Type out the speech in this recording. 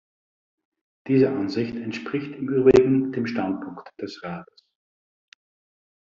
Diese Ansicht entspricht im übrigen dem Standpunkt des Rates.